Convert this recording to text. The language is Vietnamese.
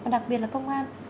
đặc biệt là công an